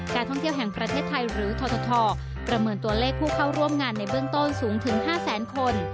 ท่องเที่ยวแห่งประเทศไทยหรือททประเมินตัวเลขผู้เข้าร่วมงานในเบื้องต้นสูงถึง๕แสนคน